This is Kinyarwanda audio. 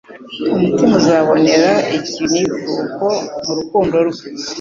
umutima uzabonera ikinihuko mu rukundo rwe.